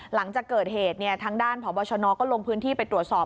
หลังจากเกิดเหตุทางด้านพบชนก็ลงพื้นที่ไปตรวจสอบ